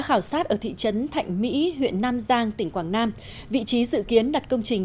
diễn xuất ở thị trấn thạch mỹ huyện nam giang tỉnh quảng nam vị trí dự kiến đặt công trình